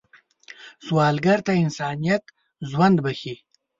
سوالګر ته انسانیت ژوند بښي